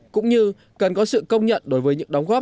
cũng như cần có sự công nhận đối với những đóng góp